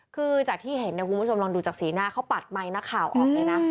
คือจากที่เห็นเนี่ยคุณผู้ชมลองดูจากสีหน้าเขาปัดไมค์นักข่าวออกเลยนะ